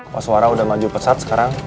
wah suara udah maju pesat sekarang